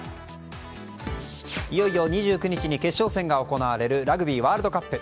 いよいよ２９日に決勝戦が行われるラグビーワールドカップ。